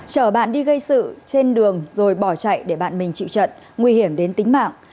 chở bạn đi gây sự trên đường rồi bỏ chạy để bạn mình chịu trận nguy hiểm đến tính mạng